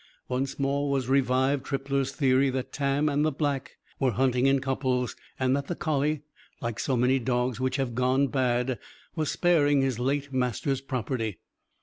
Once more was revived Trippler's theory that Tam and the Black were hunting in couples and that the collie (like so many dogs which have "gone bad") was sparing his late master's property.